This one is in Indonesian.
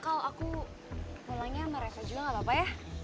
kalau aku mau nanya sama reva juga gak apa apa ya